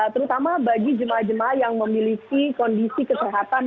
terutama bagi jemaah jemaah yang memiliki kondisi kesehatan